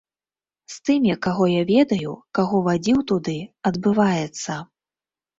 З тымі, каго я ведаю, каго вадзіў туды, адбываецца.